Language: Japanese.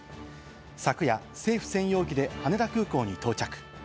昨夜、政府専用機で羽田空港に到着。